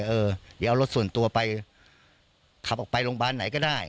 เออเดี๋ยวเอารถส่วนตัวไปขับออกไปโรงพยาบาลไหนก็ได้